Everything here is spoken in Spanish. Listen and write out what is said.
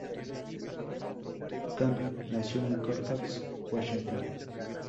Camp nació en Colfax, Washington.